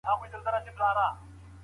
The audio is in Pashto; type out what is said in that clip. څېړنه مو د ټولني له ستونزو سره وتړئ.